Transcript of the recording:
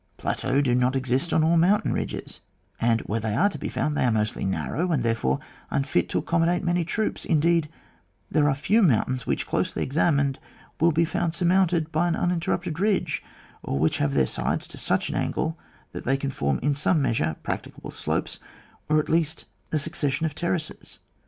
Plateaux do not exist on all mountain ridges, and where they are to be found they are mostly narrow, and therefore unfit to accommodate many troops ; indeed, there are few mountains which, closely examined, will be found surmounted by an uninterrupted ridge, or which have their sides at such an angle that they form in some measure practicable slopes, or, at least, a succes sion of terraces.